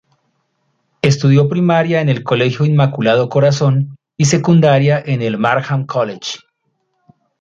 Estudió primaria en el Colegio Inmaculado Corazón y secundaria en el Markham College.